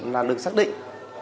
là được xác định